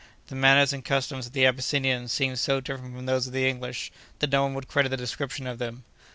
The manners and customs of the Abyssinians seemed so different from those of the English, that no one would credit the description of them.